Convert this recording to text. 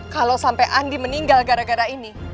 kalau sampai andi meninggal gara gara ini